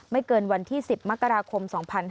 เกินวันที่๑๐มกราคม๒๕๕๙